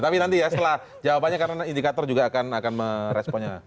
tapi nanti ya setelah jawabannya karena indikator juga akan meresponnya